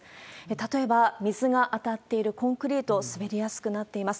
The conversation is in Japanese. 例えば水が当たっているコンクリート、滑りやすくなっています。